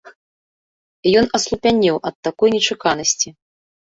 Ён аслупянеў ад такой нечаканасці.